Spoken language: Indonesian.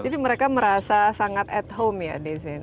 mereka merasa sangat at home ya di sini